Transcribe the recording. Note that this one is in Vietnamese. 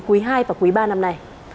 quý hai và quý ba năm nay